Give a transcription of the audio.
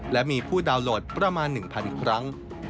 และมีผู้ดาวนโหลดประมาณ๑๐๐ครั้ง